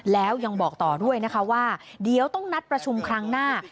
แล้วยังบอกต่อด้วยนะคะว่าเดี๋ยวต้องนัดประชุมครั้งหน้า